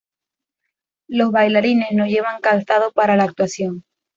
Los bailarines no llevan calzado para la actuación.